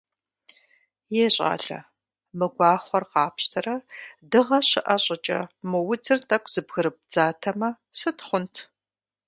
Е, щӏалэ, мы гуахъуэр къапщтэрэ, дыгъэ щыӏэ щӏыкӏэ, мо удзыр тӏэкӏу зэбгырыбдзатэмэ сыт хъунт?